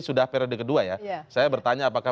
sudah periode kedua ya saya bertanya apakah